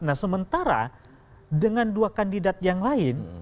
nah sementara dengan dua kandidat yang lain